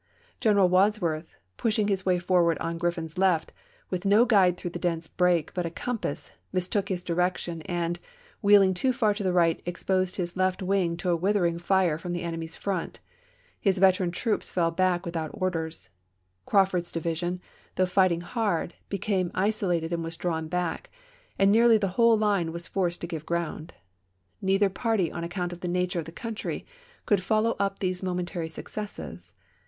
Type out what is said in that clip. Greneral Wadsworth, pushing his way forward on Grriffin's left, with no guide through the dense brake but a compass, mistook his direction, and, wheeling too far to the right, exposed his left wing to a withering fire from the enemy's front ; his veteran troops fell back without orders ; Craw ford's division, though fighting hard, became iso lated and was drawn back; and nearly the whole line was forced to give ground. Neither party, on account of the nature of the country, could follow up these momentary successes.